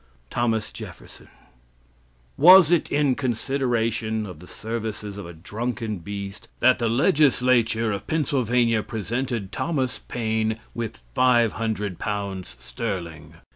Thomas Jefferson" Was it in consideration of the services of a drunken beast that the Legislature of Pennsylvania presented Thomas Paine with L500 sterling?